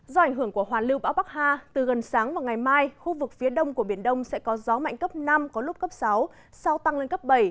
do ảnh hưởng của hoàn lưu bão bắc hà từ gần sáng và ngày mai khu vực phía đông của biển đông sẽ có gió mạnh cấp năm có lúc cấp sáu sau tăng lên cấp bảy